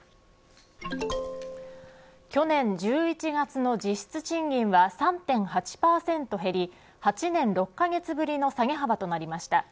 去年１１月の実質賃金は３．８％減り８年６カ月ぶりの下げ幅となりました。